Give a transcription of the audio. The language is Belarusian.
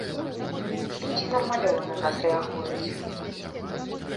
Людзі нармалёва на нас рэагуюць!